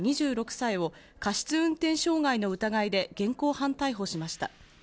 ２６歳を過失運転傷害の疑いで現行犯逮捕しました。